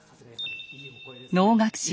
能楽師